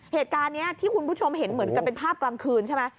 เหตุการณ์นี้ที่คุณผู้ชมเห็นเหมือนกับเป็นภาพกลางคืนใช่ไหม